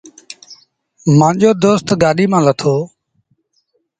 مآݩجو دوست گآڏيٚ مآݩ لٿو۔